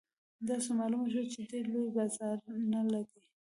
داسې معلومه شوه چې ډېر لوی بازار نه دی.